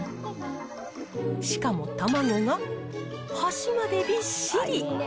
しかも、たまごが端までびっしり。